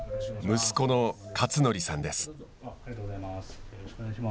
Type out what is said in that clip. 息子の克則さんです。